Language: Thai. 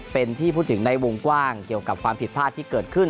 เป็นที่พูดถึงในวงกว้างเกี่ยวกับความผิดพลาดที่เกิดขึ้น